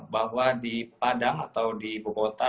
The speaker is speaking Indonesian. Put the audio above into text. bahwa di padang atau di bukowod